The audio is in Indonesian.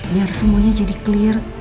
biar semuanya jadi clear